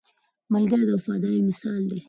ملګری د وفادارۍ مثال دی